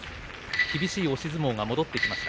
厳しい押し相撲が戻ってきました。